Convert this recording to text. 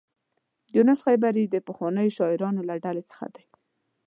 یونس خیبري د پخوانیو شاعرانو له ډلې څخه دی.